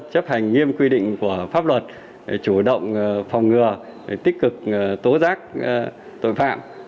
chấp hành nghiêm quy định của pháp luật để chủ động phòng ngừa tích cực tố giác tội phạm